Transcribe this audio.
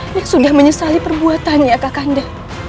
dia sudah menyesali perbuatannya kakanda